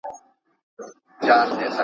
سرو جنډو ته و په تمه خړ خیبر، خو څه خبر چې: